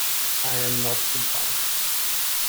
I am not surprised.